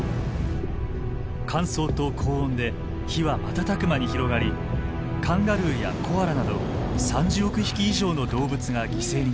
乾燥と高温で火は瞬く間に広がりカンガルーやコアラなど３０億匹以上の動物が犠牲になりました。